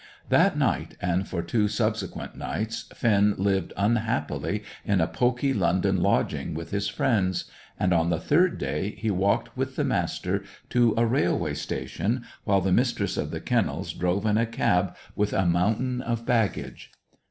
That night, and for two subsequent nights, Finn lived unhappily in a poky London lodging with his friends; and on the third day, he walked with the Master to a railway station, while the Mistress of the Kennels drove in a cab with a mountain of baggage.